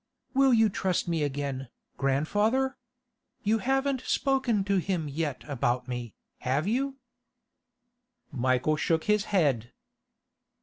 Will you trust me again, grandfather? You haven't spoken to him yet about me, have you?' Michael shook his head.